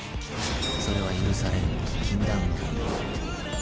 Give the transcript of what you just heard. それは許されぬ禁断の恋